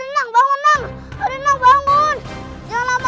jangan lama lama nisam